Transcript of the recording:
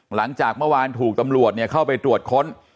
หลังจากเมื่อวานถูกตำรวจเข้าไปตรวจค้น